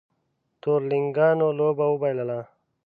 تورلېنګانو لوبه وبایلله